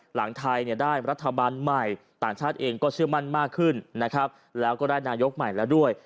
หลังไทยได้รัฐบาลใหม่ต่างชาติเองก็เชื่อมั่นมากขึ้นนะครับแล้วก็ได้นายกใหม่แล้วด้วย